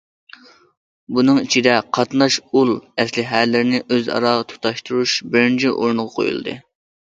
بۇنىڭ ئىچىدە، قاتناش ئۇل ئەسلىھەلىرىنى ئۆزئارا تۇتاشتۇرۇش بىرىنچى ئورۇنغا قويۇلدى.